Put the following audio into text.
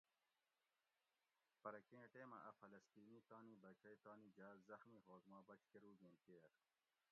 پرہ کیں ٹیمہ اۤ فلسطینی تانی بچئ تانی جاۤ زخمی ہوگ ما بچ کروگیں کیر